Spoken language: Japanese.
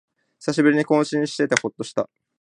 久しぶりに更新しててほっとした